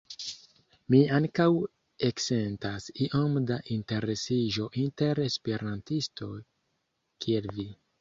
Mi ankaŭ eksentas iom da interesiĝo inter esperantistoj, kiel vi!